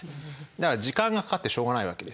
だから時間がかかってしょうがないわけですね。